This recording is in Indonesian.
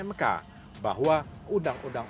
mk bahwa undang undang